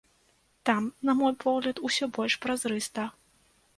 Там, на мой погляд, усё больш празрыста.